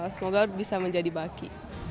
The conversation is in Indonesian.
semoga bisa menjadi baki